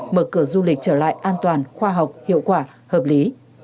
mở cửa du lịch trở lại an toàn khoa học hiệu quả hợp lý